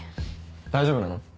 大丈夫なの？